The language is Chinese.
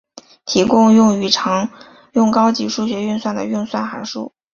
提供用于常用高级数学运算的运算函数。